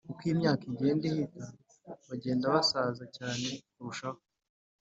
uko imyaka igenda ihita bagenda basaza cyane kurushaho